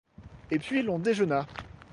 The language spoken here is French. Et puis l’on déjeuna.